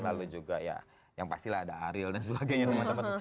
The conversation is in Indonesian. lalu juga ya yang pastilah ada ariel dan sebagainya teman teman